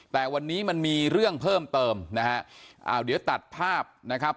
แต่วันนี้มันมีเรื่องเพิ่มเติมนะฮะอ้าวเดี๋ยวตัดภาพนะครับ